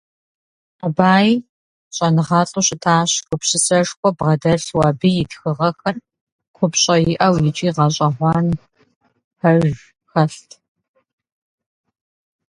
Абай был великим мыслителем и философом, его произведения полны глубоких и универсальных истин.